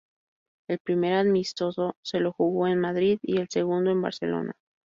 El primer amistoso se lo jugó en Madrid, y el segundo en Barcelona.